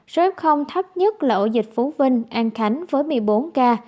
số thấp nhất là ổ dịch phú vinh an khánh với một mươi bốn ca